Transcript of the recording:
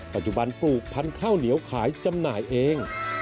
ปัจจุบันปลูกพันธุ์ข้าวเหนียวขายจำหน่ายเอง